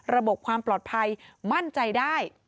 ระบบความปลอดภัยมั่นใจได้